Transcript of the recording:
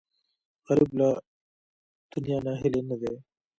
غریب له دنیا ناهیلی نه دی